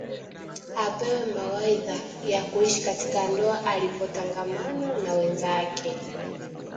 apewe mawaidha ya kuishi katika ndoa alipotangamana na wenzake